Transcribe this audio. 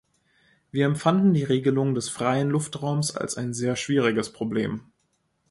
Wir empfanden die Regelung des freien Luftraums als ein sehr schwieriges Problem.